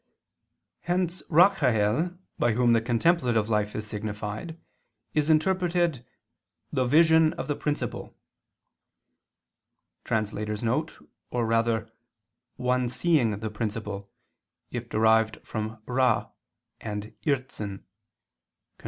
Hence Rachael, by whom the contemplative life is signified, is interpreted "the vision of the principle," [*Or rather, 'One seeing the principle,' if derived from rah and irzn; Cf.